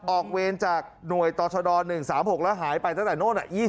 ออกเวรจากหน่วยตศหนึ่งสามหกแล้วหายไปตั้งแต่โน่น